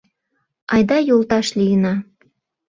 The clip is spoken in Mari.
Айда йолташ лийына!